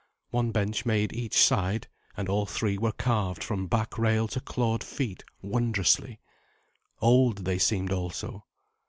One bench made each side, and all three were carved from back rail to clawed feet wondrously. Old they seemed also.